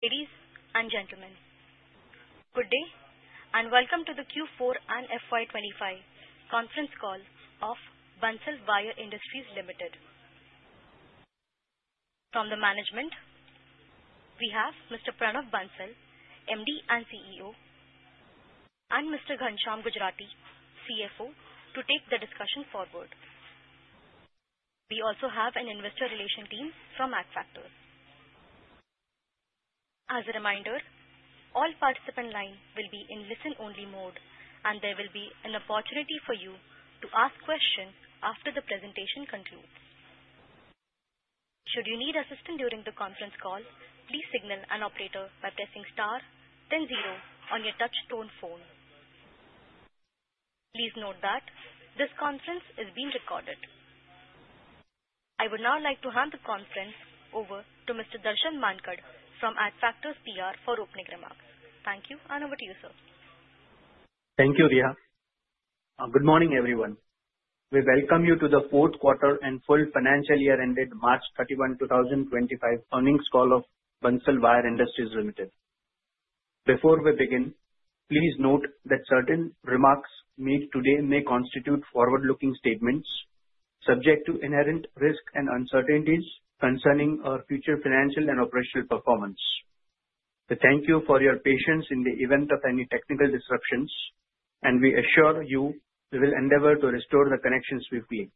Ladies and gentlemen, good day and welcome to the Q4 and FY25 conference call of Bansal Wire Industries Limited. From the management, we have Mr. Pranav Bansal, MD and CEO, and Mr. Ghanshyam Gujrati, CFO, to take the discussion forward. We also have an investor relations team from Adfactors PR. As a reminder, all participant lines will be in listen-only mode, and there will be an opportunity for you to ask questions after the presentation concludes. Should you need assistance during the conference call, please signal an operator by pressing star then zero on your touch-tone phone. Please note that this conference is being recorded. I would now like to hand the conference over to Mr. Darshan Mankad from Adfactors PR for opening remarks. Thank you, and over to you, sir. Thank you, Rhea. Good morning, everyone. We welcome you to the fourth quarter and full financial year ended March 31, 2025, earnings call of Bansal Wire Industries Limited. Before we begin, please note that certain remarks made today may constitute forward-looking statements subject to inherent risk and uncertainties concerning our future financial and operational performance. We thank you for your patience in the event of any technical disruptions, and we assure you we will endeavor to restore the connections we've made.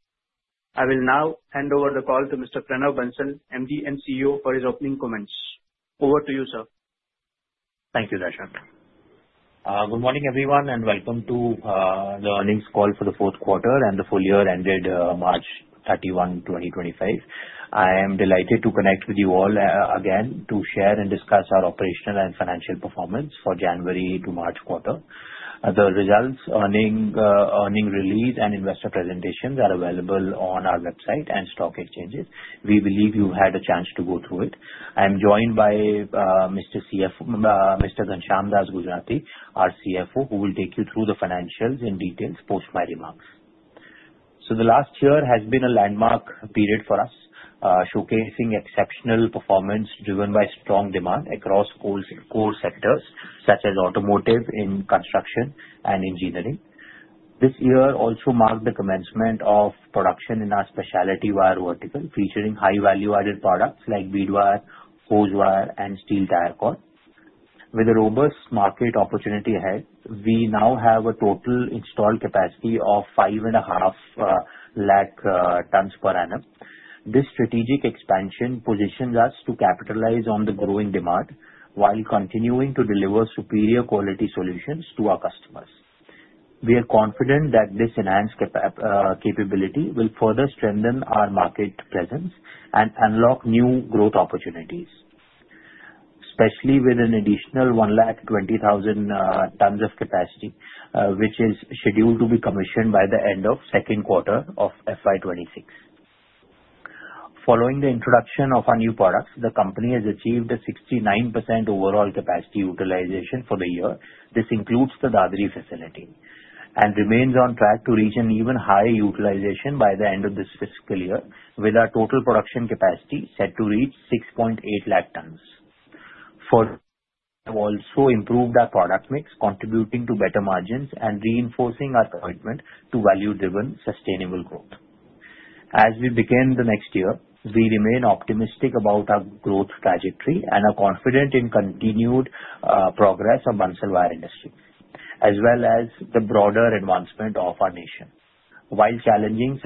I will now hand over the call to Mr. Pranav Bansal, MD and CEO, for his opening comments. Over to you, sir. Thank you, Darshan. Good morning, everyone, and welcome to the earnings call for the fourth quarter and the full year ended March 31, 2025. I am delighted to connect with you all again to share and discuss our operational and financial performance for January to March quarter. The results, earnings release, and investor presentations are available on our website and stock exchanges. We believe you've had a chance to go through it. I'm joined by Mr. Ghanshyam Gujrati, our CFO, who will take you through the financials in detail post my remarks. So the last year has been a landmark period for us, showcasing exceptional performance driven by strong demand across core sectors such as automotive, construction, and engineering. This year also marked the commencement of production in our specialty wire vertical, featuring high-value-added products like Bead Wire, Hose Wire, and Steel Tyre Cord. With a robust market opportunity ahead, we now have a total installed capacity of five and a half lakh tons per annum. This strategic expansion positions us to capitalize on the growing demand while continuing to deliver superior quality solutions to our customers. We are confident that this enhanced capability will further strengthen our market presence and unlock new growth opportunities, especially with an additional one lakh twenty thousand tons of capacity, which is scheduled to be commissioned by the end of second quarter of FY26. Following the introduction of our new products, the company has achieved a 69% overall capacity utilization for the year. This includes the Dadri facility and remains on track to reach an even higher utilization by the end of this fiscal year, with our total production capacity set to reach 6.8 lakh tons. We also improved our product mix, contributing to better margins and reinforcing our commitment to value-driven sustainable growth. As we begin the next year, we remain optimistic about our growth trajectory and are confident in continued progress of Bansal Wire Industries, as well as the broader advancement of our nation. While challenges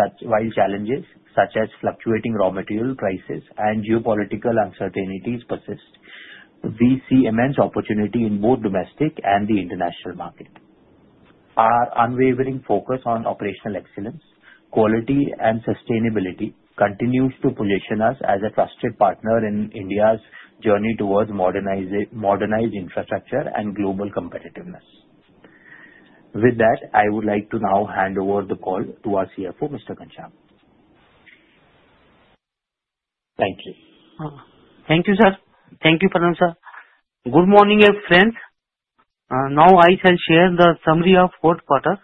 such as fluctuating raw material prices and geopolitical uncertainties persist, we see immense opportunity in both domestic and the international market. Our unwavering focus on operational excellence, quality, and sustainability continues to position us as a trusted partner in India's journey towards modernized infrastructure and global competitiveness. With that, I would like to now hand over the call to our CFO, Mr. Ghanshyam. Thank you. Thank you, sir. Thank you, Pranav sir. Good morning, everyone. Now I shall share the summary of fourth quarter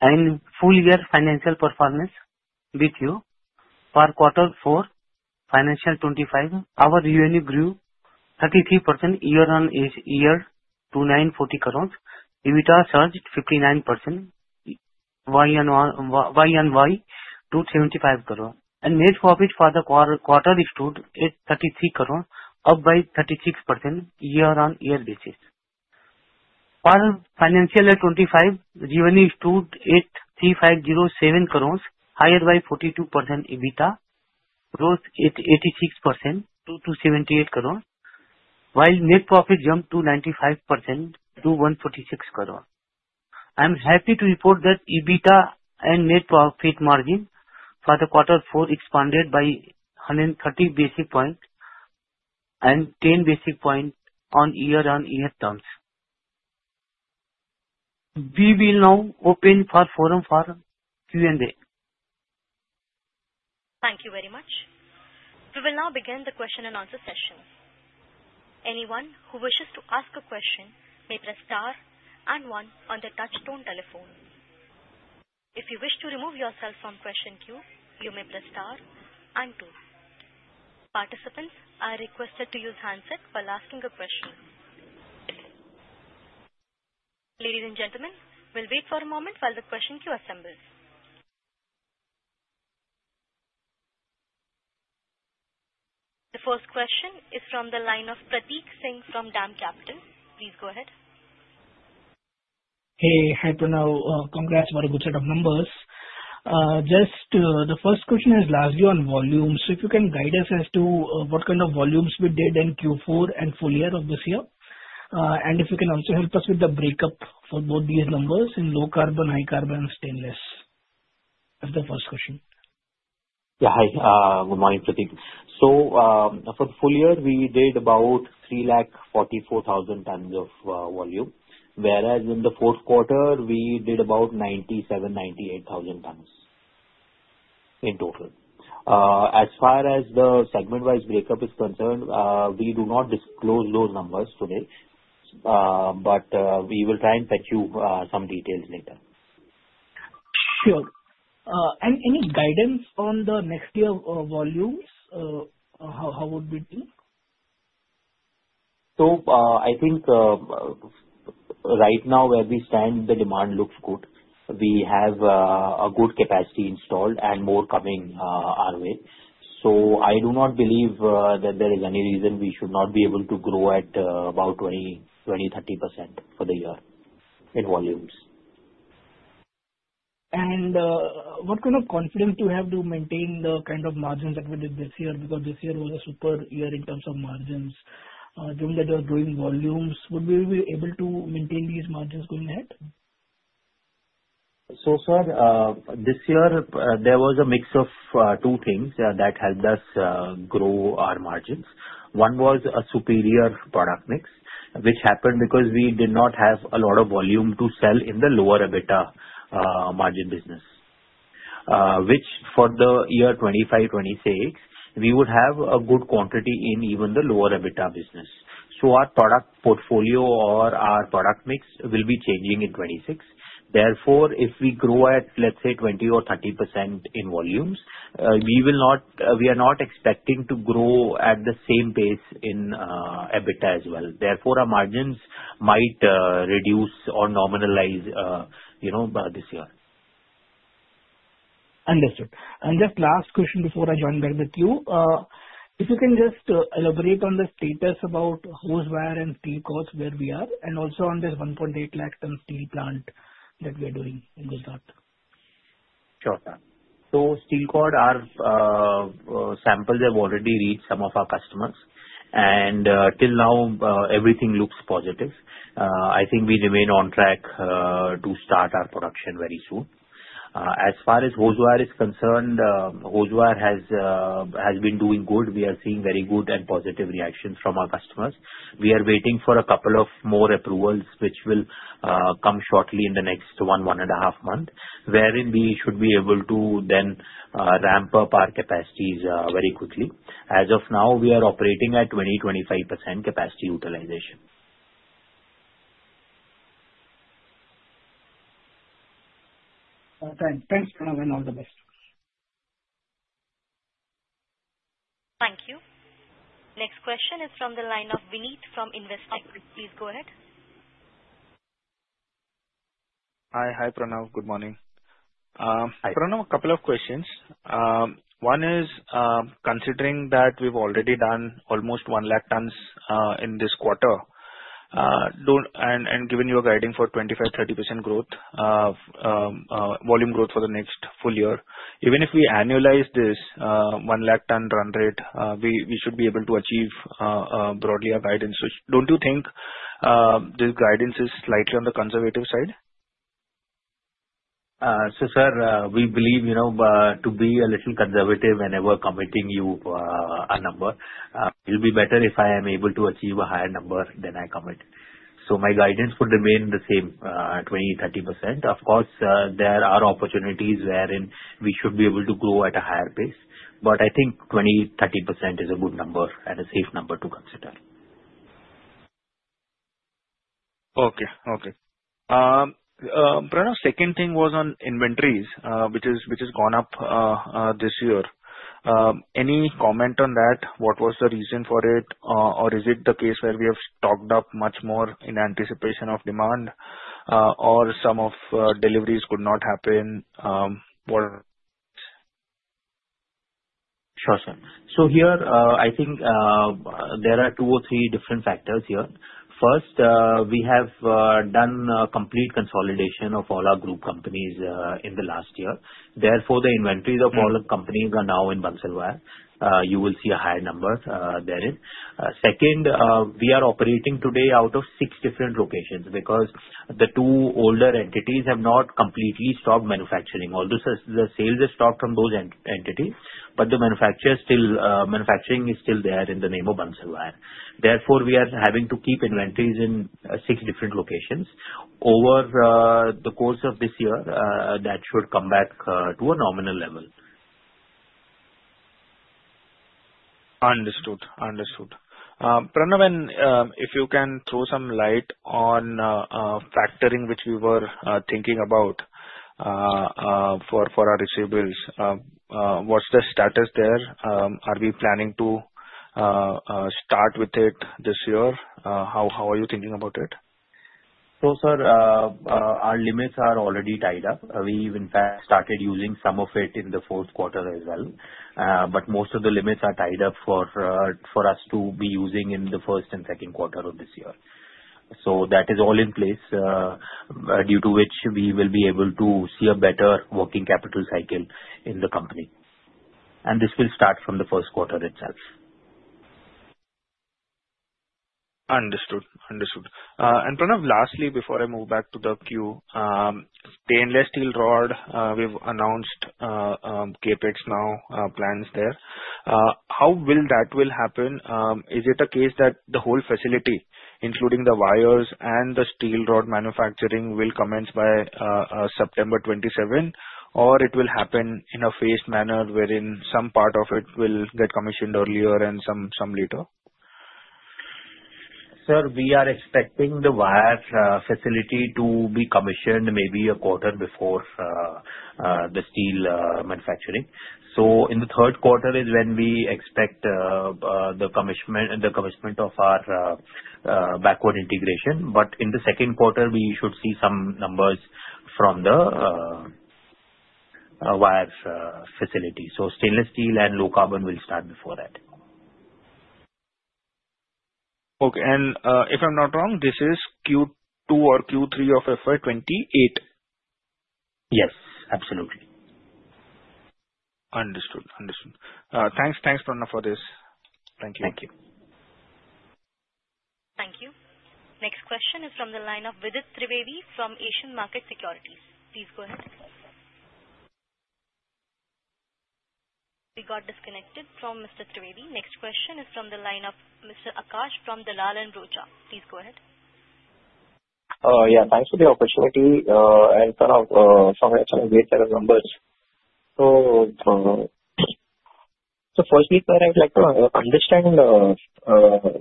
and full year financial performance with you. For quarter four, FY25, our revenue grew 33% year-on-year to INR 940 crores. EBITDA surged 59% YoY to 75 crore. And net profit for the quarter stood at 33 crores, up by 36% year-on-year basis. For FY25, revenue stood at 3,507 crores, higher by 42%. EBITDA grew 86% to 278 crores, while net profit jumped 95% to 146 crores. I'm happy to report that EBITDA and net profit margin for the quarter four expanded by 130 basis points and 10 basis points on year-on-year terms. We will now open the floor for Q&A. Thank you very much. We will now begin the question and answer session. Anyone who wishes to ask a question may press star and one on the touch-tone telephone. If you wish to remove yourself from question queue, you may press star and two. Participants are requested to use handset while asking a question. Ladies and gentlemen, we'll wait for a moment while the question queue assembles. The first question is from the line of Pratik Singh from DAM Capital. Please go ahead. Hey, hi Pranav. Congrats for a good set of numbers. Just the first question is largely on volume. So if you can guide us as to what kind of volumes we did in Q4 and full year of this year, and if you can also help us with the breakup for both these numbers in low carbon, high carbon, and stainless? That's the first question. Yeah, hi. Good morning, Prateek. So for the full year, we did about 344,000 tons of volume, whereas in the fourth quarter, we did about 97,000-98,000 tons in total. As far as the segment-wise breakup is concerned, we do not disclose those numbers today, but we will try and fetch you some details later. Sure. And any guidance on the next year volumes? How would we do? So I think right now where we stand, the demand looks good. We have a good capacity installed and more coming our way. So I do not believe that there is any reason we should not be able to grow at about 20%-30% for the year in volumes. And what kind of confidence do you have to maintain the kind of margins that we did this year? Because this year was a super year in terms of margins. Given that you are growing volumes, would we be able to maintain these margins going ahead? So far, this year, there was a mix of two things that helped us grow our margins. One was a superior product mix, which happened because we did not have a lot of volume to sell in the lower EBITDA margin business, which for the year 2025, 2026, we would have a good quantity in even the lower EBITDA business. So our product portfolio or our product mix will be changing in 2026. Therefore, if we grow at, let's say, 20% or 30% in volumes, we are not expecting to grow at the same pace in EBITDA as well. Therefore, our margins might reduce or normalize this year. Understood. And just last question before I join back with you. If you can just elaborate on the status about hose wire and steel cords where we are, and also on this 1.8 lakh-ton steel plant that we are doing in Gujarat. Sure, sir. Steel Cord samples have already reached some of our customers, and till now, everything looks positive. I think we remain on track to start our production very soon. As far as Hose Wire is concerned, Hose Wire has been doing good. We are seeing very good and positive reactions from our customers. We are waiting for a couple of more approvals, which will come shortly in the next one to one and a half months, wherein we should be able to then ramp up our capacities very quickly. As of now, we are operating at 20%-25% capacity utilization. Thanks, Pranav, and all the best. Thank you. Next question is from the line of Vinit from Investec. Please go ahead. Hi, hi Pranav. Good morning. Pranav, a couple of questions. One is considering that we've already done almost one lakh tons in this quarter and given you a guidance for 25%-30% volume growth for the next full year. Even if we annualize this one lakh ton run rate, we should be able to achieve broadly a guidance. So don't you think this guidance is slightly on the conservative side? So, sir, we believe to be a little conservative whenever committing you a number. It'll be better if I am able to achieve a higher number than I commit. So, my guidance would remain the same, 20%-30%. Of course, there are opportunities wherein we should be able to grow at a higher pace, but I think 20%-30% is a good number and a safe number to consider. Okay, okay. Pranav, second thing was on inventories, which has gone up this year. Any comment on that? What was the reason for it? Or is it the case where we have stocked up much more in anticipation of demand, or some of deliveries could not happen? Sure, sir. So here, I think there are two or three different factors here. First, we have done a complete consolidation of all our group companies in the last year. Therefore, the inventories of all the companies are now in Bansal Wire. You will see a higher number therein. Second, we are operating today out of six different locations because the two older entities have not completely stopped manufacturing. Although the sales have stopped from those entities, but the manufacturing is still there in the name of Bansal Wire. Therefore, we are having to keep inventories in six different locations. Over the course of this year, that should come back to a nominal level. Understood, understood. Pranav, if you can throw some light on factoring, which we were thinking about for our receivables, what's the status there? Are we planning to start with it this year? How are you thinking about it? So sir, our limits are already tied up. We've in fact started using some of it in the fourth quarter as well, but most of the limits are tied up for us to be using in the first and second quarter of this year. So that is all in place, due to which we will be able to see a better working capital cycle in the company. And this will start from the first quarter itself. Understood, understood. And Pranav, lastly, before I move back to the queue, stainless steel rod, we've announced CapEx plans there. How will that happen? Is it a case that the whole facility, including the Wires and the Steel Rod manufacturing, will commence by September 27, or it will happen in a phased manner wherein some part of it will get commissioned earlier and some later? Sir, we are expecting the wire facility to be commissioned maybe a quarter before the steel manufacturing. So in the third quarter is when we expect the commissioning of our backward integration. But in the second quarter, we should see some numbers from the wire facility. So stainless steel and low carbon will start before that. Okay. And if I'm not wrong, this is Q2 or Q3 of FY28? Yes, absolutely. Understood, understood. Thanks, thanks, Pranav, for this. Thank you. Thank you. Thank you. Next question is from the line of Vidit Trivedi from Asian Market Securities. Please go ahead. We got disconnected from Mr. Trivedi. Next question is from the line of Mr. Akash from Dalal & Broacha. Please go ahead. Yeah, thanks for the opportunity. And Pranav, sorry, I have some wait ahead of numbers. So firstly, sir, I would like to understand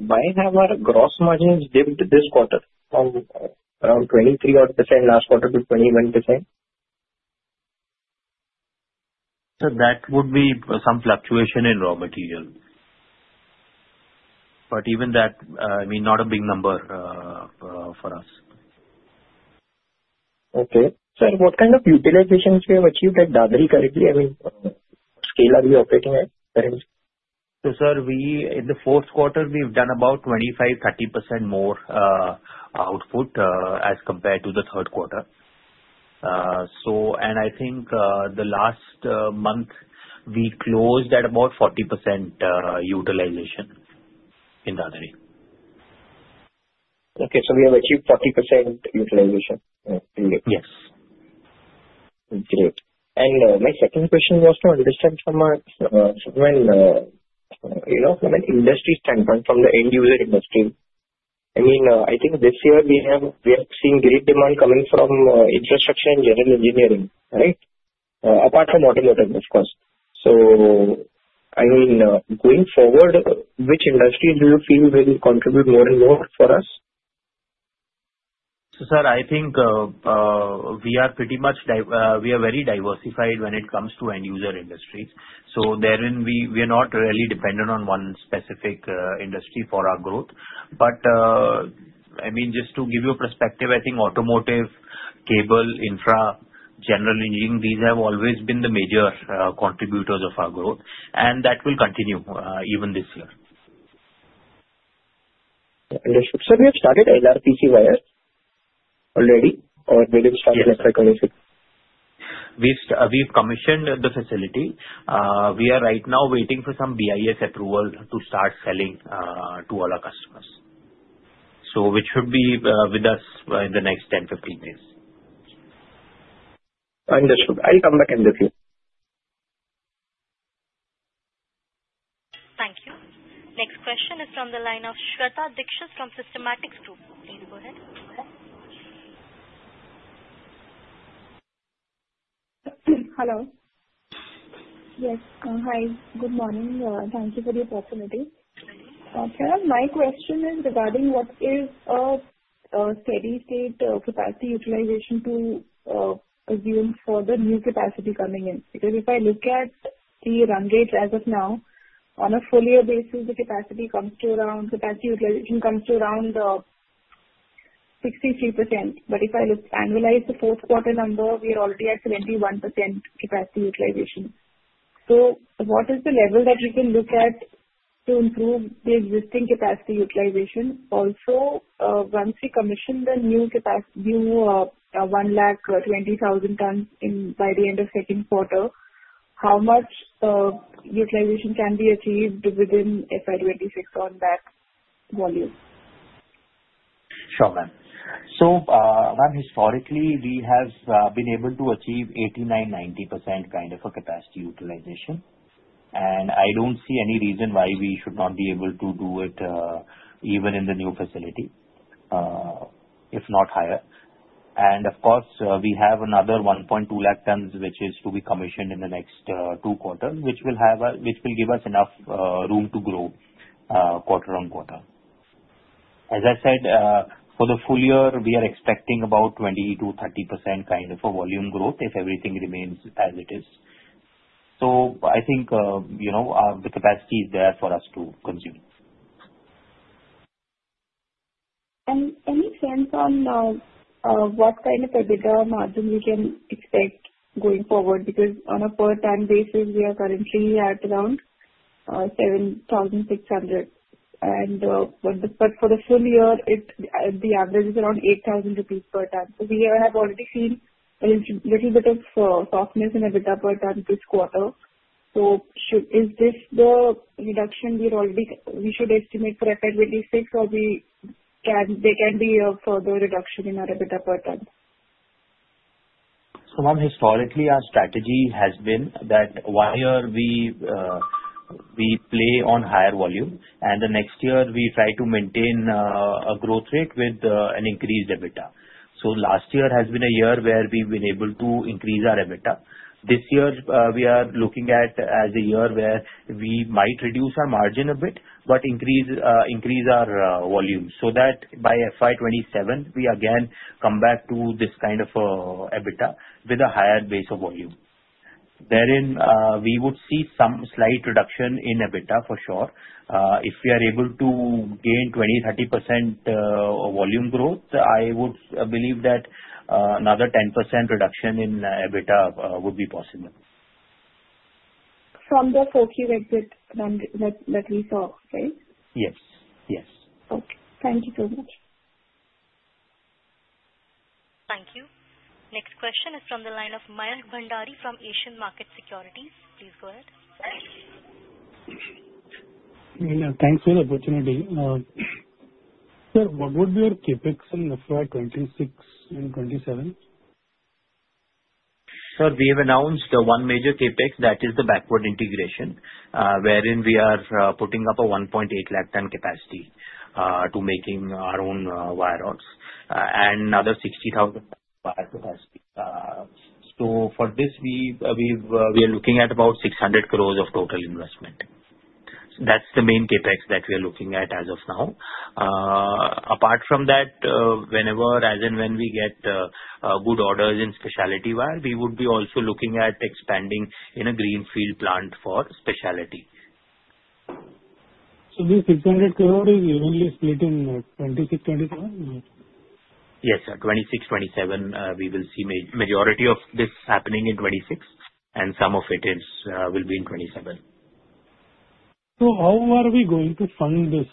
why have our gross margins dipped this quarter from around 23% last quarter to 21%? Sir, that would be some fluctuation in raw material. But even that, I mean, not a big number for us. Okay. Sir, what kind of utilizations we have achieved at Dadri currently? I mean, what scale are we operating at currently? So sir, in the fourth quarter, we've done about 25%-30% more output as compared to the third quarter. And I think the last month, we closed at about 40% utilization in Dadri. Okay. So we have achieved 40% utilization in the quarter? Yes. Great, and my second question was to understand from an industry standpoint, from the end user industry. I mean, I think this year we have seen great demand coming from infrastructure and general engineering, right? Apart from automotive, of course, so I mean, going forward, which industries do you feel will contribute more and more for us? So sir, I think we are pretty much very diversified when it comes to end user industries. So therein, we are not really dependent on one specific industry for our growth. But I mean, just to give you a perspective, I think automotive, cable, infra, general engineering, these have always been the major contributors of our growth, and that will continue even this year. Understood. Sir, we have started LRPC wire already, or will you start with the second? We've commissioned the facility. We are right now waiting for some BIS approval to start selling to all our customers, which should be with us in the next 10-15 days. Understood. I'll come back and get you. Thank you. Next question is from the line of Shweta Dikshit from Systematix Group. Please go ahead. Hello. Yes, hi. Good morning. Thank you for the opportunity. My question is regarding what is a steady-state capacity utilization to assume for the new capacity coming in? Because if I look at the run rates as of now, on a full year basis, the capacity utilization comes to around 63%. But if I look annualized the fourth quarter number, we are already at 21% capacity utilization. So what is the level that we can look at to improve the existing capacity utilization? Also, once we commission the new 120,000 tons by the end of second quarter, how much utilization can be achieved within FY26 on that volume? Sure, ma'am. So historically, we have been able to achieve 89%-90% kind of a capacity utilization. And I don't see any reason why we should not be able to do it even in the new facility, if not higher. And of course, we have another 1.2 lakh-tons, which is to be commissioned in the next two quarters, which will give us enough room to grow quarter-on-quarter. As I said, for the full year, we are expecting about 20%-30% kind of a volume growth if everything remains as it is. So I think the capacity is there for us to consume. And any sense on what kind of a bigger margin we can expect going forward? Because on a per ton basis, we are currently at around 7,600. And for the full year, the average is around 8,000 rupees per ton. So we have already seen a little bit of softness in EBITDA per ton this quarter. So is this the reduction we should estimate for FY26, or there can be a further reduction in our EBITDA per ton? So ma'am, historically, our strategy has been that one year we play on higher volume, and the next year we try to maintain a growth rate with an increased EBITDA. So last year has been a year where we've been able to increase our EBITDA. This year, we are looking at as a year where we might reduce our margin a bit, but increase our volume so that by FY27, we again come back to this kind of EBITDA with a higher base of volume. Therein, we would see some slight reduction in EBITDA for sure. If we are able to gain 20%-30% volume growth, I would believe that another 10% reduction in EBITDA would be possible. From the 4Q exit that we saw, right? Yes, yes. Okay. Thank you so much. Thank you. Next question is from the line of Mayank Bhandari from Asian Market Securities. Please go ahead. Thanks for the opportunity. Sir, what would be your CapEx in FY26 and FY27? Sir, we have announced one major CapEx. That is the backward integration, wherein we are putting up a 1.8 lakh-ton capacity to making our own wire rods and another 60,000 wire capacity. So for this, we are looking at about 600 crores of total investment. That's the main capex that we are looking at as of now. Apart from that, whenever as in when we get good orders in specialty wire, we would be also looking at expanding in a greenfield plant for specialty. So this 600 crore is evenly split in 26-27? Yes, sir. 2026, 2027, we will see majority of this happening in 2026, and some of it will be in 2027. So how are we going to fund this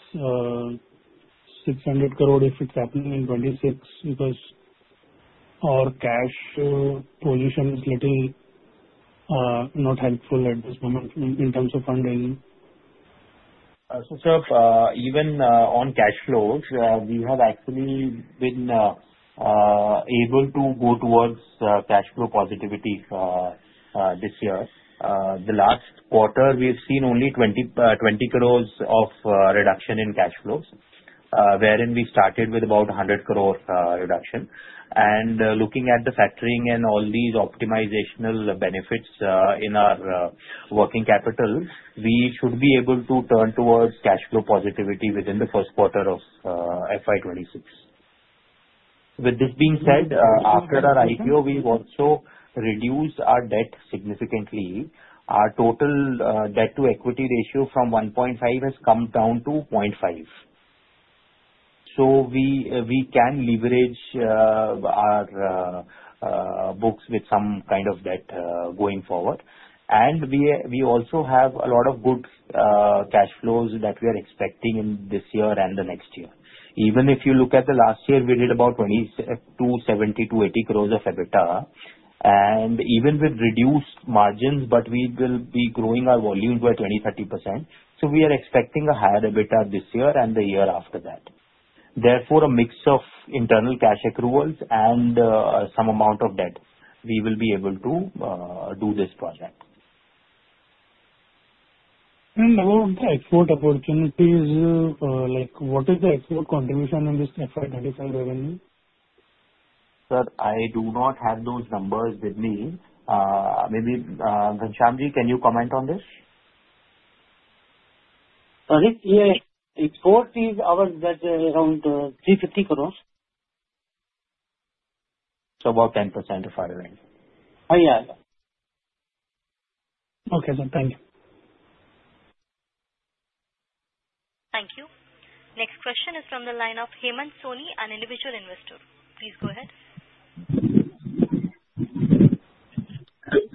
600 crore if it's happening in 2026? Because our cash position is a little not helpful at this moment in terms of funding. Sir, even on cash flows, we have actually been able to go towards cash flow positivity this year. The last quarter, we have seen only 20 crores of reduction in cash flows, wherein we started with about 100 crore reduction. And looking at the factoring and all these optimizational benefits in our working capital, we should be able to turn towards cash flow positivity within the first quarter of FY26. With this being said, after our IPO, we've also reduced our debt significantly. Our total debt to equity ratio from 1.5 has come down to 0.5. So we can leverage our books with some kind of debt going forward. And we also have a lot of good cash flows that we are expecting in this year and the next year. Even if you look at the last year, we did about 270 to 80 crores of EBITDA. And even with reduced margins, but we will be growing our volume by 20%-30%. So we are expecting a higher EBITDA this year and the year after that. Therefore, a mix of internal cash accruals and some amount of debt, we will be able to do this project. About the export opportunities, what is the export contribution in this FY25 revenue? Sir, I do not have those numbers with me. Maybe Ghanshyamji, can you comment on this? Sorry? Yeah. Export is around INR 350 crores? About 10% of our revenue. Oh, yeah. Okay, sir. Thank you. Thank you. Next question is from the line of Hemant Soni, an individual investor. Please go ahead.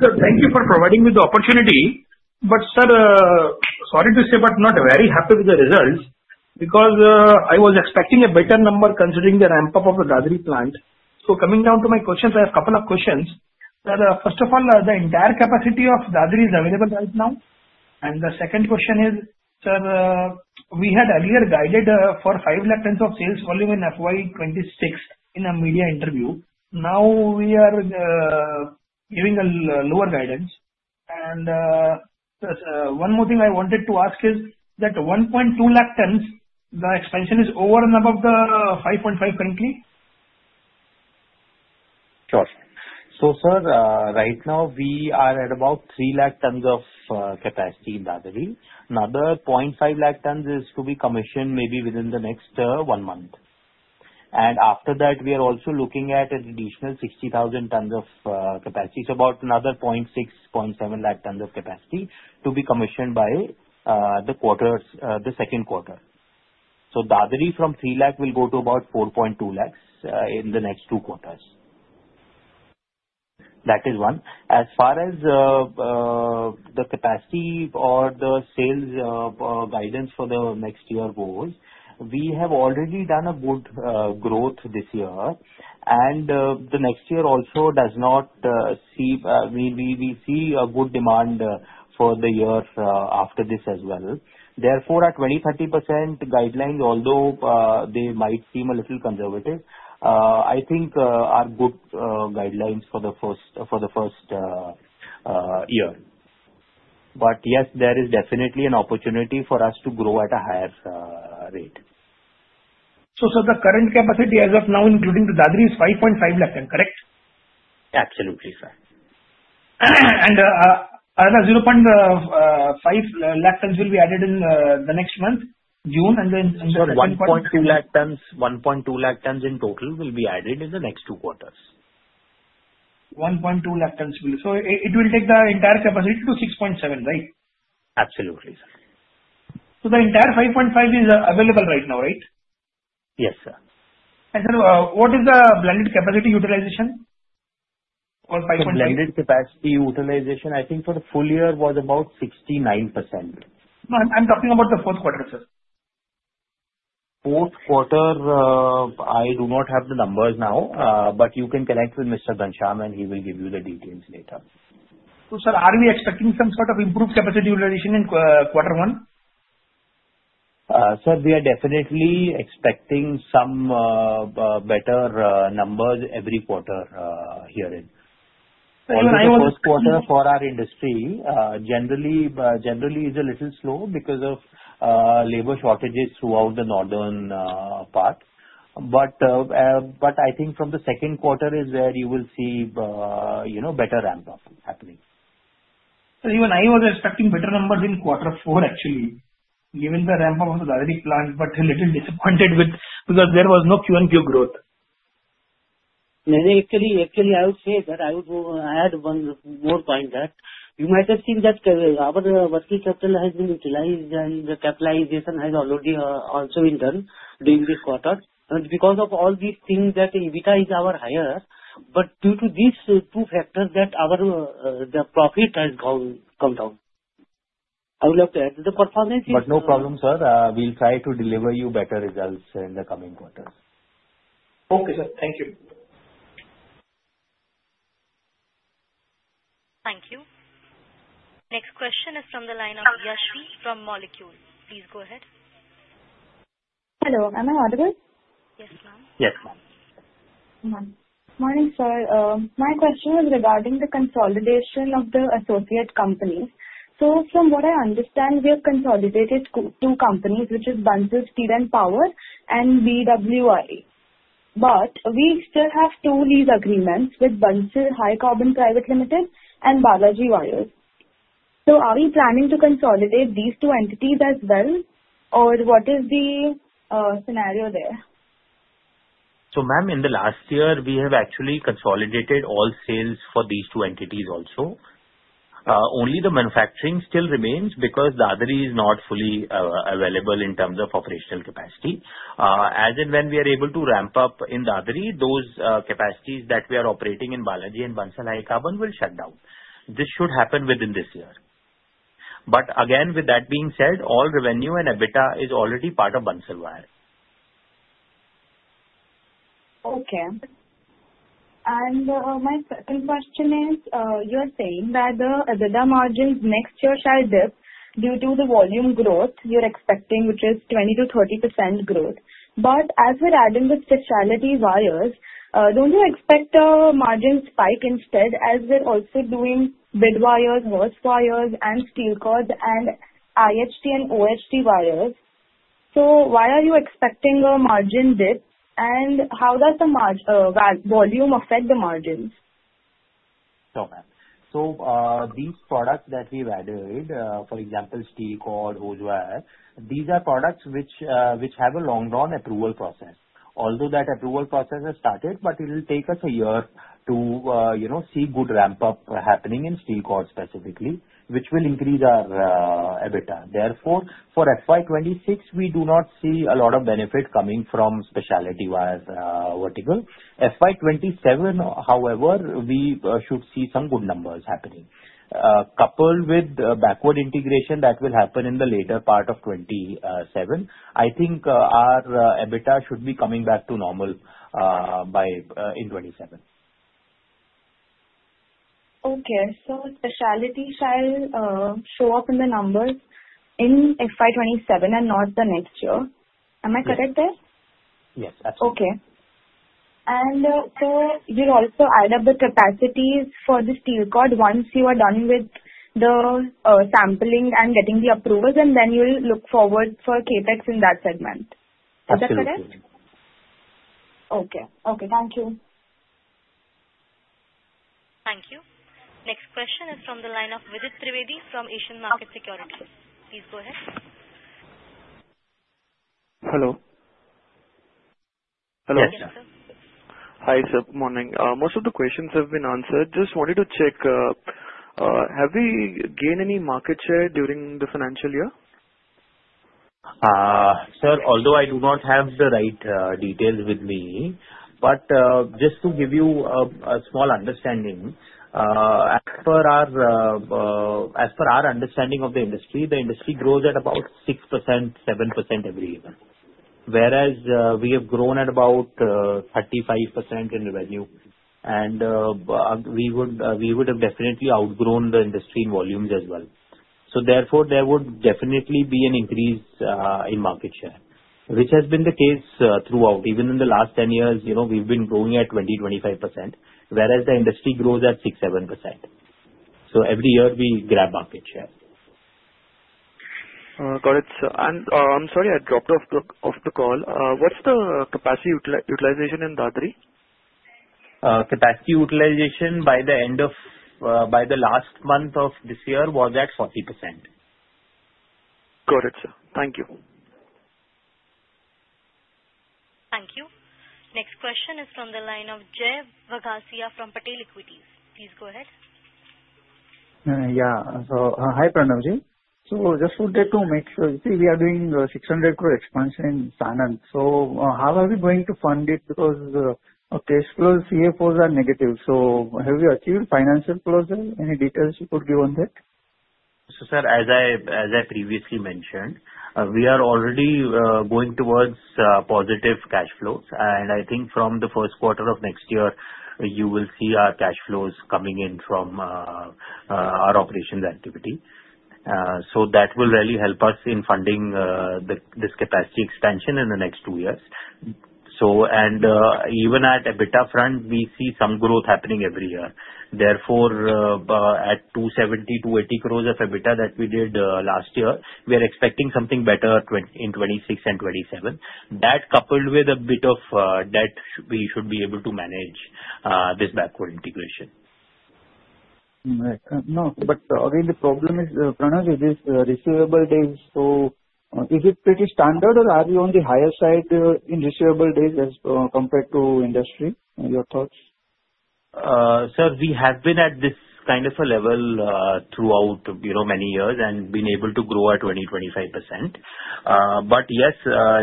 Sir, thank you for providing me the opportunity. But sir, sorry to say, but not very happy with the results because I was expecting a better number considering the ramp-up of the Dadri plant. So coming down to my questions, I have a couple of questions. First of all, the entire capacity of Dadri is available right now? And the second question is, sir, we had earlier guided for 5 lakh-tons of sales volume in FY26 in a media interview. Now we are giving a lower guidance. And one more thing I wanted to ask is that 1.2 lakh-tons, the expansion is over and above the 5.5 currently? Sure. So sir, right now we are at about 3 lakh-tons of capacity in Dadri. Another 0.5 lakh-tons is to be commissioned maybe within the next one month. And after that, we are also looking at an additional 60,000 tons of capacity, so about another 0.6-0.7 lakh-tons of capacity to be commissioned by the second quarter. So Dadri from 3 lakh will go to about 4.2 lakhs in the next two quarters. That is one. As far as the capacity or the sales guidance for the next year goes, we have already done a good growth this year. And the next year also does not seem, I mean, we see a good demand for the year after this as well. Therefore, our 20%-30% guidelines, although they might seem a little conservative, I think are good guidelines for the first year. But yes, there is definitely an opportunity for us to grow at a higher rate. So sir, the current capacity as of now, including the Dadri, is 5.5 lakh-ton, correct? Absolutely, sir. And another 0.5 lakh-tons will be added in the next month, June, and then 1.2 lakh-tons? Sir, 1.2 lakh-tons in total will be added in the next two quarters. 1.2 lakh-tons. So it will take the entire capacity to 6.7, right? Absolutely, sir. So the entire 5.5 is available right now, right? Yes, sir. Sir, what is the blended capacity utilization? Or 5.2? The blended capacity utilization, I think for the full year, was about 69%. No, I'm talking about the fourth quarter, sir. Fourth quarter, I do not have the numbers now, but you can connect with Mr. Ghanshyam, and he will give you the details later. So sir, are we expecting some sort of improved capacity utilization in quarter one? Sir, we are definitely expecting some better numbers every quarter herein. I want to. The first quarter for our industry generally is a little slow because of labor shortages throughout the northern part, but I think from the second quarter is where you will see better ramp-up happening. Even I was expecting better numbers in quarter four, actually, given the ramp-up of the Dadri plant, but a little disappointed because there was no Q-on-Q growth. Actually, I will say that I had one more point that you might have seen that our working capital has been utilized, and the capitalization has already also been done during this quarter, and because of all these things, that our EBITDA is higher, but due to these two factors, that our profit has come down. I would love to add to the performance. But no problem, sir. We'll try to deliver you better results in the coming quarters. Okay, sir. Thank you. Thank you. Next question is from the line of Yashvi from Molecules. Please go ahead. Hello. Am I audible? Yes, ma'am. Yes, ma'am. Morning, sir. My question is regarding the consolidation of the associate companies. So from what I understand, we have consolidated two companies, which are Bansal Steel and Power and BWI. But we still have two lease agreements with Bansal High Carbons Private Limited and Balaji Wires. So are we planning to consolidate these two entities as well, or what is the scenario there? Ma'am, in the last year, we have actually consolidated all sales for these two entities also. Only the manufacturing still remains because Dadri is not fully available in terms of operational capacity. As in, when we are able to ramp up in Dadri, those capacities that we are operating in Balaji and Bansal High Carbon will shut down. This should happen within this year. But again, with that being said, all revenue and EBITDA is already part of Bansal Wire. Okay. And my second question is, you are saying that the EBITDA margins next year shall dip due to the volume growth you're expecting, which is 20%-30% growth. But as we're adding the Specialty Wires, don't you expect a margin spike instead as we're also doing Bead Wires, Hose Wires, and Steel Cords, and IHT and OHD wires? So why are you expecting a margin dip, and how does the volume affect the margins? So ma'am, so these products that we've added, for example, steel cord, hose wire, these are products which have a long-run approval process. Although that approval process has started, it will take us a year to see good ramp-up happening in steel cord specifically, which will increase our EBITDA. Therefore, for FY26, we do not see a lot of benefit coming from Specialty Wire vertical. FY27, however, we should see some good numbers happening. Coupled with backward integration that will happen in the later part of 2027, I think our EBITDA should be coming back to normal in 2027. Okay. So specialty shall show up in the numbers in FY27 and not the next year. Am I correct there? Yes, absolutely. Okay, and so you'll also add up the capacities for the Steel Cord once you are done with the sampling and getting the approvals, and then you'll look forward for CapEx in that segment. Is that correct? Absolutely. Okay. Thank you. Thank you. Next question is from the line of Vidit Trivedi from Asian Market Securities. Please go ahead. Hello. Hello. Yes, sir. Hi, sir. Morning. Most of the questions have been answered. Just wanted to check, have we gained any market share during the financial year? Sir, although I do not have the right details with me, but just to give you a small understanding, as per our understanding of the industry, the industry grows at about 6%-7% every year, whereas we have grown at about 35% in revenue. And we would have definitely outgrown the industry in volumes as well. So therefore, there would definitely be an increase in market share, which has been the case throughout. Even in the last 10 years, we've been growing at 20%-25%, whereas the industry grows at 6%-7%. So every year, we grab market share. Got it, sir. And I'm sorry I dropped off the call. What's the capacity utilization in Dadri? Capacity utilization by the end of the last month of this year was at 40%. Got it, sir. Thank you. Thank you. Next question is from the line of Jay Vaghasia from Patel Equities. Please go ahead. Yeah. So hi, Pranavji. So just wanted to make sure. You see, we are doing an 600 crore expansion in Sanand. So how are we going to fund it? Because cash flows are negative. So have you achieved financial closure? Any details you could give on that? Sir, as I previously mentioned, we are already going towards positive cash flows. And I think from the first quarter of next year, you will see our cash flows coming in from our operations activity. That will really help us in funding this capacity expansion in the next two years. And even at EBITDA front, we see some growth happening every year. Therefore, at 270 crores-280 crores of EBITDA that we did last year, we are expecting something better in 2026 and 2027. That coupled with a bit of debt, we should be able to manage this backward integration. Right. But again, the problem is, Pranavji, this receivable days, so is it pretty standard, or are we on the higher side in receivable days as compared to industry? Your thoughts? Sir, we have been at this kind of a level throughout many years and been able to grow at 20%-25%. But yes,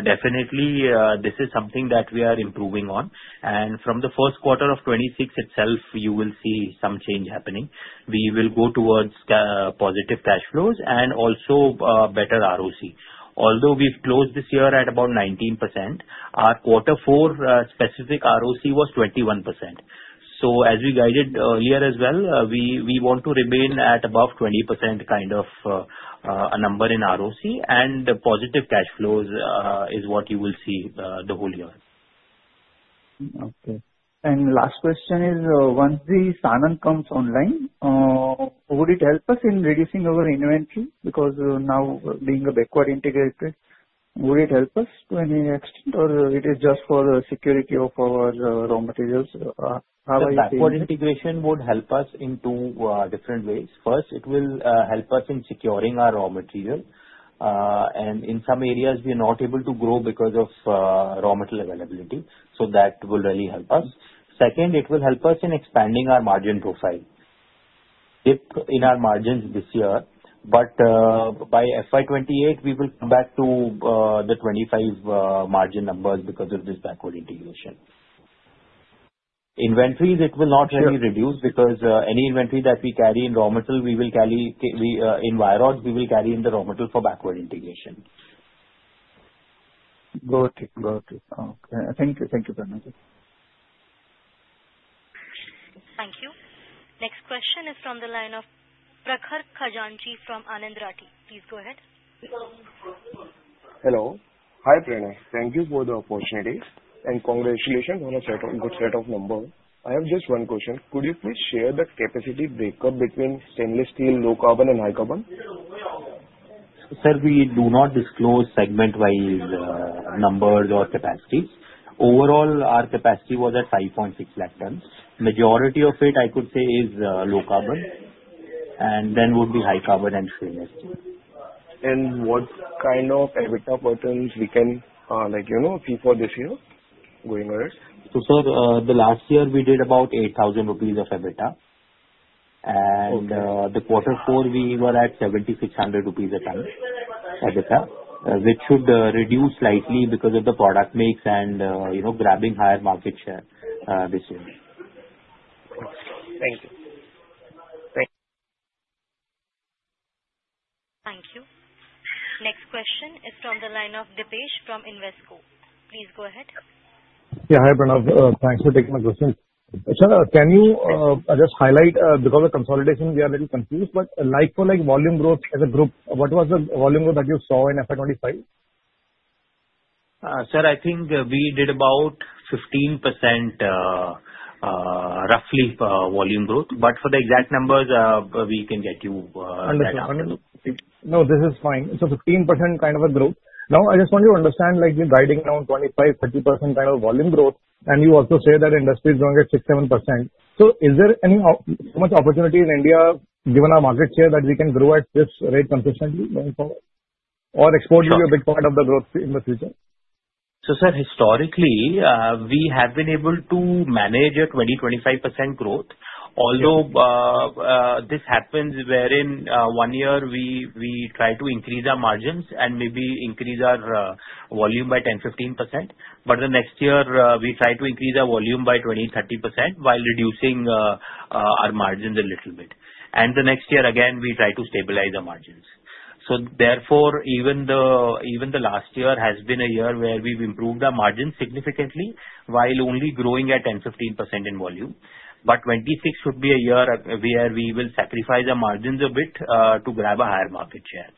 definitely, this is something that we are improving on. And from the first quarter of 2026 itself, you will see some change happening. We will go towards positive cash flows and also better ROCE. Although we've closed this year at about 19%, our quarter four specific ROCE was 21%. So as we guided earlier as well, we want to remain at above 20% kind of a number in ROCE, and positive cash flows is what you will see the whole year. and the last question is, once the Sanand comes online, would it help us in reducing our inventory? Because now, being a backward integrated, would it help us to any extent, or it is just for the security of our raw materials? How are you seeing? Backward integration would help us in two different ways. First, it will help us in securing our raw material and in some areas, we are not able to grow because of raw material availability. So that will really help us. Second, it will help us in expanding our margin profile. Dip in our margins this year, but by FY28, we will come back to the 25% margin numbers because of this backward integration. Inventories, it will not really reduce because any inventory that we carry in raw material, we will carry in wire rods, we will carry in the raw material for backward integration. Got it. Got it. Okay. Thank you. Thank you, Pranavji. Thank you. Next question is from the line of Prakhar Khajanchi from Anand Rathi. Please go ahead. Hello. Hi, Pranavji. Thank you for the opportunity and congratulations on a good set of numbers. I have just one question. Could you please share the capacity breakup between stainless steel, low carbon, and high carbon? Sir, we do not disclose segment-wise numbers or capacities. Overall, our capacity was at 5.6 lakh-tons. Majority of it, I could say, is low carbon, and then would be high carbon and stainless steel. What kind of EBITDA patterns we can see for this year going ahead? So, sir, the last year, we did about 8,000 rupees of EBITDA. And the quarter four, we were at 7,600 rupees a ton EBITDA, which should reduce slightly because of the product mix and grabbing higher market share this year. Thank you. Thank you. Next question is from the line of Dipesh from Invesco. Please go ahead. Yeah. Hi, Pranavji. Thanks for taking my question. Sir, can you just highlight, because of consolidation, we are a little confused, but for volume growth as a group, what was the volume growth that you saw in FY25? Sir, I think we did about 15% roughly volume growth. But for the exact numbers, we can get you right now. Understood. No, this is fine. So 15% kind of a growth. Now, I just want you to understand, you're guiding down 25%-30% kind of volume growth, and you also say that industry is going at 6%-7%. So is there any much opportunity in India, given our market share, that we can grow at this rate consistently going forward? Or export will be a big part of the growth in the future? So sir, historically, we have been able to manage a 20-25% growth. Although this happens wherein one year we try to increase our margins and maybe increase our volume by 10-15%. But the next year, we try to increase our volume by 20-30% while reducing our margins a little bit. And the next year, again, we try to stabilize our margins. So therefore, even the last year has been a year where we've improved our margins significantly while only growing at 10-15% in volume. But 2026 should be a year where we will sacrifice our margins a bit to grab a higher market share.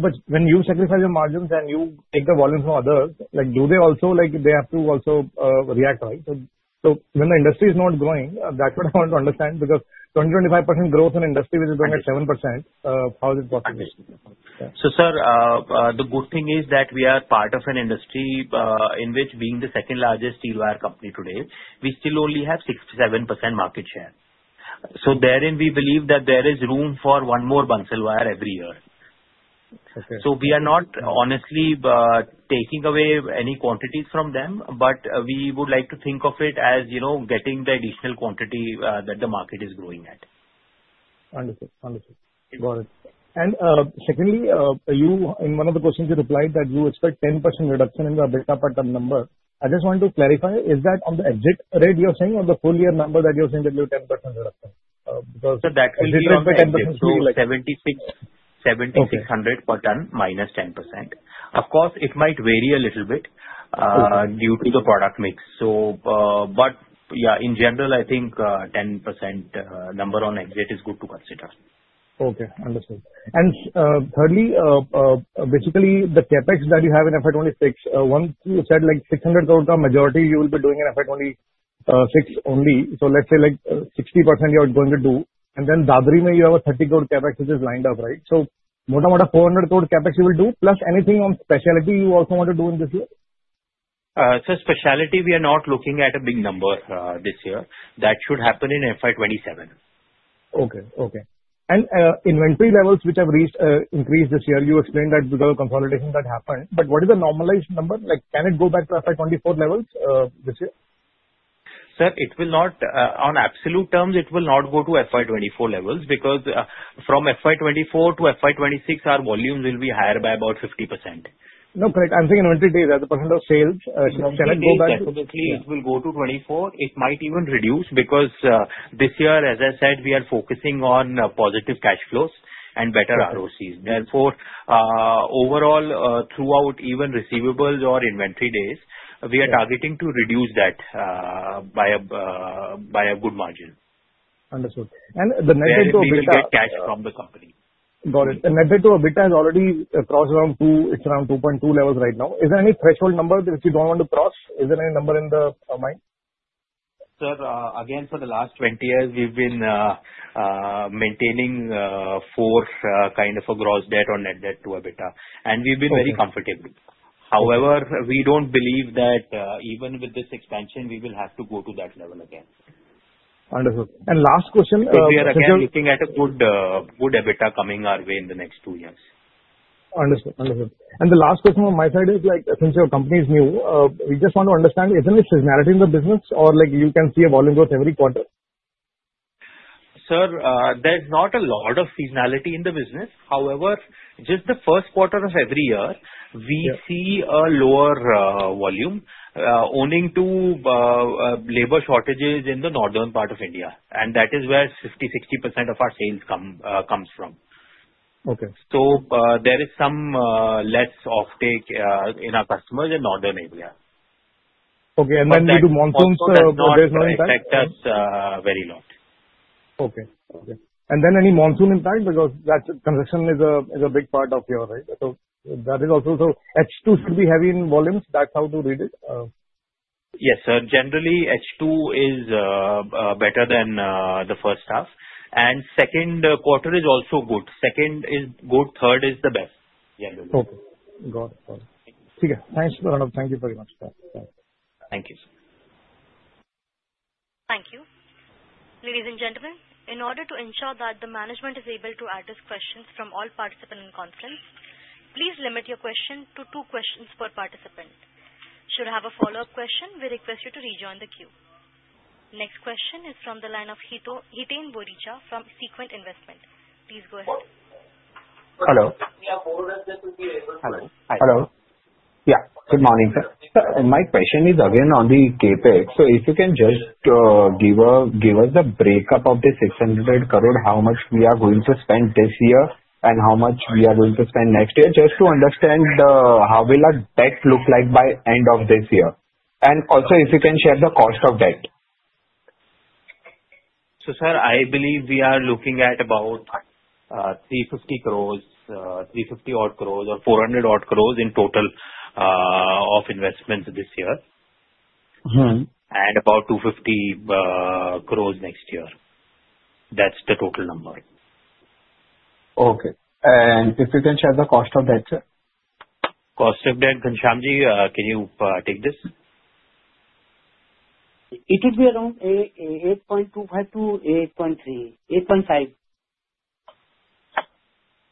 But when you sacrifice your margins and you take the volume from others, do they also have to react, right? So when the industry is not growing, that's what I want to understand because 20%-25% growth in industry is going at 7%. How is it possible? So sir, the good thing is that we are part of an industry in which, being the second largest steel wire company today, we still only have 67% market share. So therein, we believe that there is room for one more Bansal Wire every year. So we are not honestly taking away any quantities from them, but we would like to think of it as getting the additional quantity that the market is growing at. Understood. Understood. Got it. And secondly, in one of the questions you replied that you expect 10% reduction in the EBITDA per ton number. I just want to clarify, is that on the exit rate you're saying or the full year number that you're saying that you have 10% reduction? Because. That will be reduced by 10% to 7,600 per ton minus 10%. Of course, it might vary a little bit due to the product mix. But yeah, in general, I think 10% number on exit is good to consider. Okay. Understood. And thirdly, basically, the CapEx that you have in FY26, once you said like 600 crore majority, you will be doing in FY26 only. So let's say like 60% you are going to do. And then Dadri where you have a 30 crore CapEx which is lined up, right? So more than 400 crore CapEx you will do plus anything on specialty you also want to do in this year? Specialty, we are not looking at a big number this year. That should happen in FY27. Okay. And inventory levels which have increased this year, you explained that because of consolidation that happened. But what is the normalized number? Can it go back to FY24 levels this year? Sir, it will not, on absolute terms, it will not go to FY24 levels because from FY24 to FY26, our volumes will be higher by about 50%. No, correct. I'm saying inventory days, as a % of sales, can it go back? It will go to 24. It might even reduce because this year, as I said, we are focusing on positive cash flows and better ROCE. Therefore, overall, throughout even receivables or inventory days, we are targeting to reduce that by a good margin. Understood, and the net debt to EBITDA? We will get cash from the company. Got it. And net debt to EBITDA has already crossed around 2. It's around 2.2 levels right now. Is there any threshold number which you don't want to cross? Is there any number in the mind? Sir, again, for the last 20 years, we've been maintaining 4x kind of a gross debt or net debt to EBITDA, and we've been very comfortable. However, we don't believe that even with this expansion, we will have to go to that level again. Understood. And last question. We are looking at a good EBITDA coming our way in the next two years. Understood. Understood, and the last question on my side is, since your company is new, we just want to understand, is there any seasonality in the business or you can see a volume growth every quarter? Sir, there's not a lot of seasonality in the business. However, just the first quarter of every year, we see a lower volume owing to labor shortages in the northern part of India. And that is where 50%-60% of our sales comes from. So there is some less offtake in our customers in northern India. Okay. And then due to monsoons, there's no impact? It doesn't affect us very much. Okay. And then any monsoon impact because that transition is a big part of your, right? So that is also. So H2 should be heavy in volumes. That's how to read it? Yes, sir. Generally, H2 is better than the first half, and second quarter is also good. Second is good. Third is the best, generally. Okay. Got it. Got it. Okay. Thanks, Pranavji. Thank you very much. Bye. Thank you, sir. Thank you. Ladies and gentlemen, in order to ensure that the management is able to address questions from all participants in conference, please limit your question to two questions per participant. Should you have a follow-up question, we request you to rejoin the queue. Next question is from the line of Hiten Boricha from Sequent Investment. Please go ahead. Hello. Hello. Hi. Hello. Yeah. Good morning, sir. Sir, my question is again on the CapEx. So if you can just give us the breakup of the 600 crore, how much we are going to spend this year and how much we are going to spend next year, just to understand how will our debt look like by end of this year? And also, if you can share the cost of debt. So sir, I believe we are looking at about 350 crore, 350 odd crore, or 400 odd crore in total of investments this year, and about 250 crore next year. That's the total number. Okay. And if you can share the cost of debt, sir. Cost of debt, Ghanshyamji, can you take this? It would be around 8.25 to 8.3, 8.5.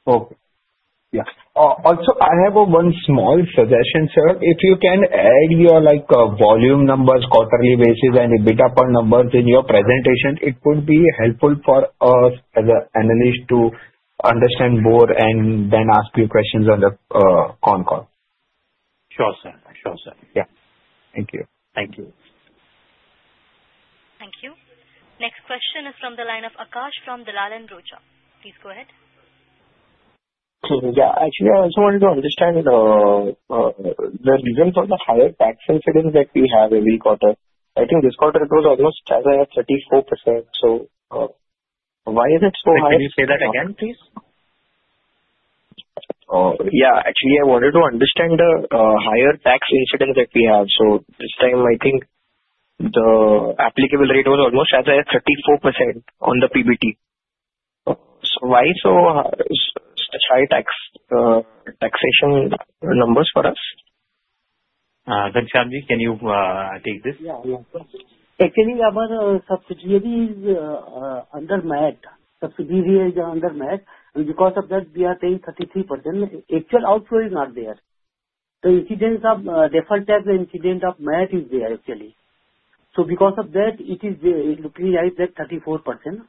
Okay. Yeah. Also, I have one small suggestion, sir. If you can add your volume numbers quarterly basis and EBITDA per numbers in your presentation, it would be helpful for us as an analyst to understand more and then ask you questions on the con call. Sure, sir. Sure, sir. Yeah. Thank you. Thank you. Thank you. Next question is from the line of Akash from Dalal & Broacha. Please go ahead. Yeah. Actually, I also wanted to understand the reason for the higher tax incidence that we have every quarter. I think this quarter it was almost as high as 34%. So why is it so high? Can you say that again, please? Yeah. Actually, I wanted to understand the higher tax incidence that we have. So this time, I think the applicable rate was almost as high as 34% on the PBT. So why so high taxation numbers for us? Ghanshyamji, can you take this? Actually, our subsidiary is under MAT. Subsidiary is under MAT. And because of that, we are paying 33%. Actual outflow is not there. The incidence of direct tax, the incidence of MAT is there actually. So because of that, it is looking like that 34%.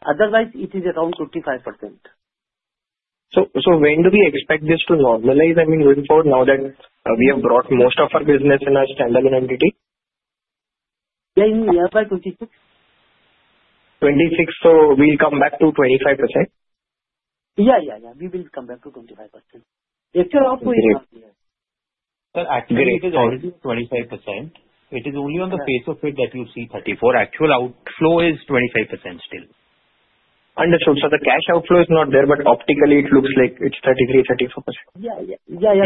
Otherwise, it is around 25%. So when do we expect this to normalize? I mean, going forward, now that we have brought most of our business in a standalone entity? Yeah. Yeah. By 26. 26, so we'll come back to 25%? Yeah. We will come back to 25%. Actual outflow is not there. Sir, actually, it is already 25%. It is only on the face of it that you see 34%. Actual outflow is 25% still. Understood. So the cash outflow is not there, but optically, it looks like it's 33%-34%.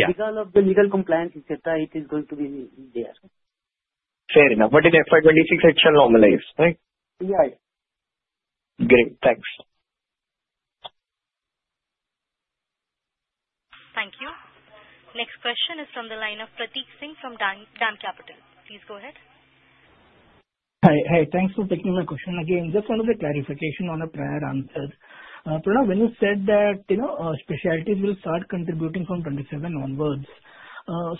Because of the legal compliance, it is going to be there. Fair enough, but in FY26, it shall normalize, right? Yeah. Yeah. Great. Thanks. Thank you. Next question is from the line of Pratik Singh from DAM Capital. Please go ahead. Hi. Hey, thanks for taking my question again. Just wanted a clarification on a prior answer. Pranav, when you said that specialties will start contributing from 27 onwards,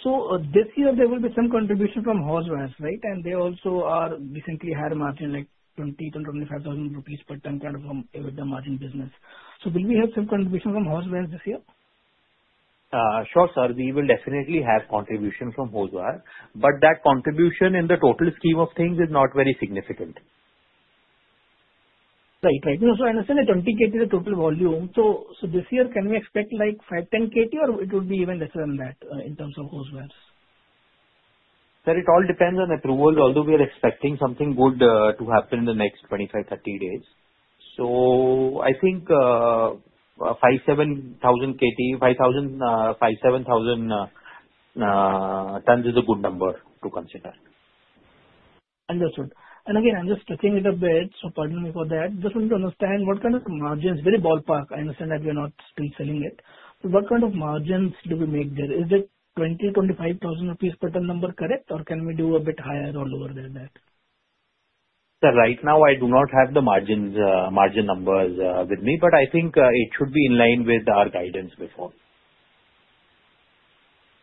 so this year, there will be some contribution from Hose Wires, right? And they also are recently had a margin like 20,000-25,000 rupees per ton kind of EBITDA margin business. So will we have some contribution from Hose Wires this year? Sure, sir. We will definitely have contribution from hose wires. But that contribution in the total scheme of things is not very significant. Right. Right. So I understand that 20KT is the total volume. So this year, can we expect like 5-10KT, or it would be even lesser than that in terms of Hose Wires? Sir, it all depends on approvals. Although we are expecting something good to happen in the next 25-30 days. So I think 5000-7000 KT, 5000-7000 tons is a good number to consider. Understood. And again, I'm just stretching it a bit, so pardon me for that. Just wanted to understand what kind of margins, very ballpark. I understand that we are not still selling it. But what kind of margins do we make there? Is it 20,000-25,000 rupees per ton number correct, or can we do a bit higher or lower than that? Sir, right now, I do not have the margin numbers with me, but I think it should be in line with our guidance before.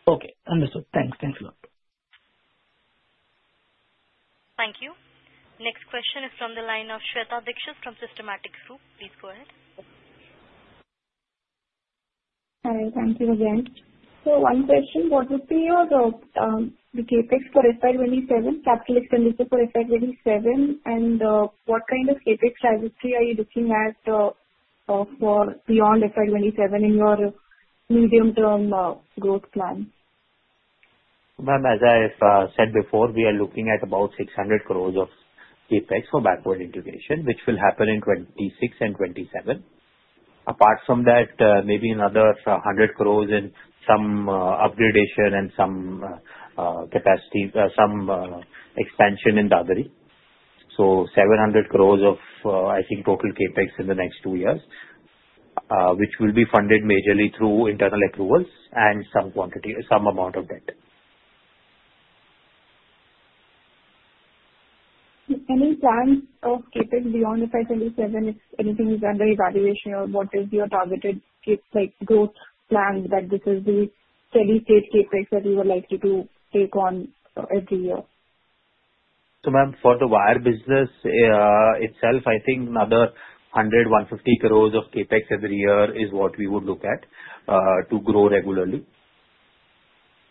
Okay. Understood. Thanks. Thanks a lot. Thank you. Next question is from the line of Shweta Dikshit from Systematix Group. Please go ahead. Hi. Thank you again. So one question. What would be your CapEx for FY27, capital expenditure for FY27, and what kind of CapEx trajectory are you looking at for beyond FY27 in your medium-term growth plan? Ma'am, as I've said before, we are looking at about 600 crores of capex for backward integration, which will happen in 2026 and 2027. Apart from that, maybe another 100 crores in some upgradation and some capacity, some expansion in Dadri. So 700 crores of, I think, total capex in the next two years, which will be funded majorly through internal accruals and some amount of debt. Any plans of CapEx beyond FY27 if anything is under evaluation, or what is your targeted growth plan that this is the steady-state CapEx that you would like to take on every year? So ma'am, for the wire business itself, I think another 100-150 crores of CapEx every year is what we would look at to grow regularly.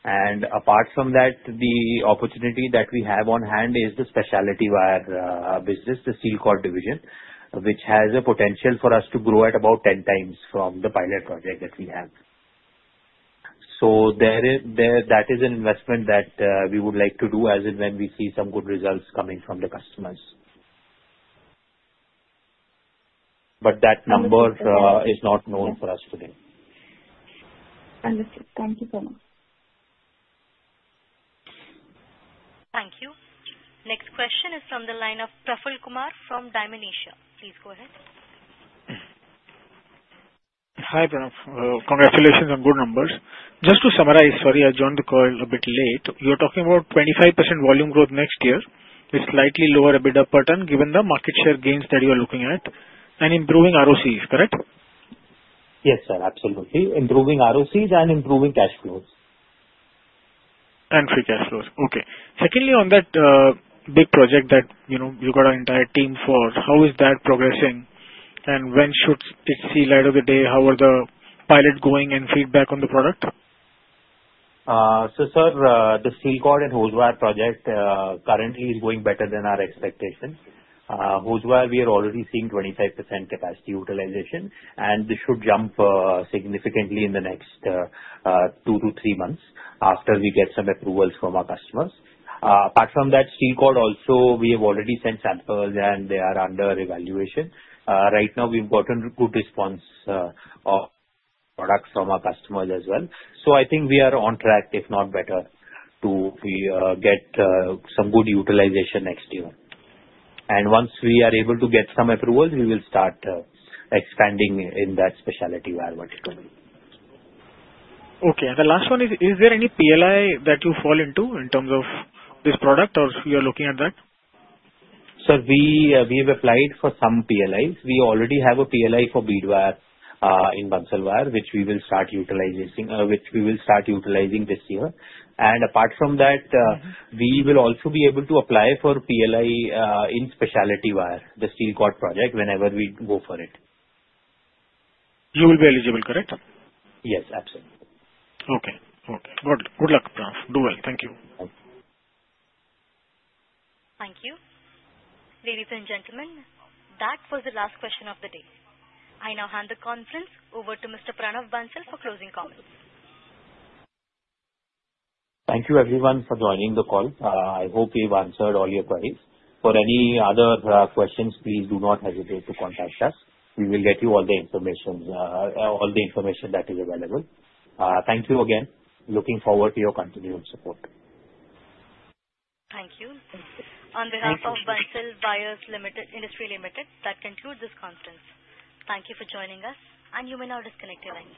And apart from that, the opportunity that we have on hand is the specialty wire business, the steel cord division, which has a potential for us to grow at about 10 times from the pilot project that we have. So that is an investment that we would like to do as in when we see some good results coming from the customers. But that number is not known for us today. Understood. Thank you so much. Thank you. Next question is from the line of Praful Kumar from Dymon Asia. Please go ahead. Hi, Pranav. Congratulations on good numbers. Just to summarize, sorry I joined the call a bit late. You're talking about 25% volume growth next year, which is slightly lower EBITDA per ton given the market share gains that you are looking at, and improving ROCE, correct? Yes, sir. Absolutely. Improving ROCE and improving cash flows. And free cash flows. Okay. Secondly, on that big project that you got an entire team for, how is that progressing, and when should it see light of the day? How are the pilot going and feedback on the product? So sir, the steel cord and hose wire project currently is going better than our expectation. Hose wire, we are already seeing 25% capacity utilization, and this should jump significantly in the next two to three months after we get some approvals from our customers. Apart from that, steel cord also, we have already sent samples, and they are under evaluation. Right now, we've gotten good response of products from our customers as well. So I think we are on track, if not better, to get some good utilization next year. And once we are able to get some approvals, we will start expanding in that specialty wire vertical. Okay. And the last one is, is there any PLI that you fall into in terms of this product, or you are looking at that? Sir, we have applied for some PLIs. We already have a PLI for bead wire in Bansal Wire, which we will start utilizing this year, and apart from that, we will also be able to apply for PLI in Specialty wire, the steel cord project, whenever we go for it. You will be eligible, correct? Yes. Absolutely. Okay. Okay. Good luck, Pranav. Do well. Thank you. Thank you. Thank you. Ladies and gentlemen, that was the last question of the day. I now hand the conference over to Mr. Pranav Bansal for closing comments. Thank you, everyone, for joining the call. I hope we've answered all your queries. For any other questions, please do not hesitate to contact us. We will get you all the information that is available. Thank you again. Looking forward to your continued support. Thank you. On behalf of Bansal Wire Industries Limited, that concludes this conference. Thank you for joining us, and you may now disconnect the line.